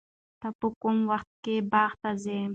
ته په کوم وخت کې باغ ته ځې؟